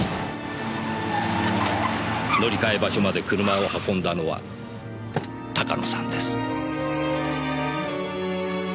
乗り換え場所まで車を運んだのは鷹野さんです。